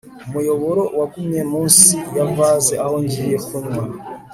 umuyoboro wagumye munsi ya vase aho ngiye kunywa